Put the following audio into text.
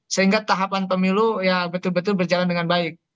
sehingga tahapan pemilu ya betul betul berjalan dengan baik